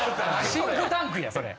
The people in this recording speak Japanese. シンクタンクやそれ。